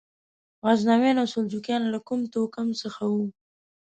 غزنویان او سلجوقیان له کوم توکم څخه وو؟